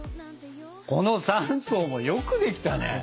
この３層もよくできたね。